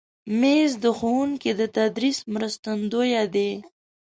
مېز د ښوونکي د تدریس مرستندوی دی.